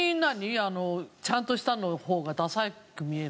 あのちゃんとしたのの方がダサく見える。